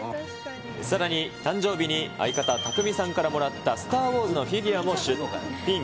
さらに、誕生日に相方、たくみさんからもらったスター・ウォーズのフィギュアも出品。